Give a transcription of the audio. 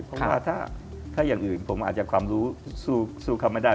เพราะว่าถ้าอย่างอื่นผมอาจจะความรู้สู้เขาไม่ได้